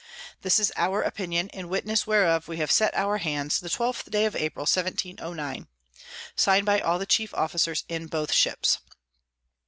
This is our Opinion; in witness whereof we have set our Hands, the_ 12_th of_ April 1709. Sign'd by all the chief Officers in both Ships.